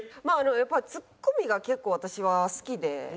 やっぱツッコミが結構私は好きで。